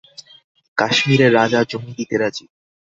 কাশ্মীরের রাজা জমি দিতে রাজী।